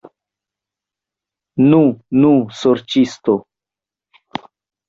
Nu, nu, sorĉisto!